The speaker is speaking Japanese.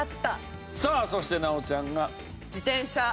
さあそして奈央ちゃんが。